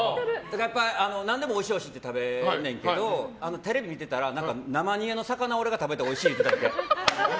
何でもおいしいって食べるねんけどテレビ見てたら生煮えの魚を俺が食べておいしいって言ってたみたいで。